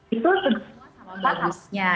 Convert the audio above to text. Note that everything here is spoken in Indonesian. itu semua sama bagusnya